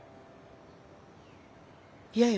嫌よ。